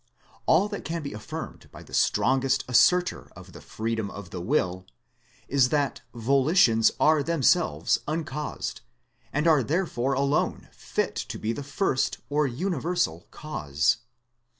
All that can be affirmed by the strongest assert or of the Freedom of the Will, is that volitions are themselves uncaused and are therefore alone fit to be the first or universal Cause.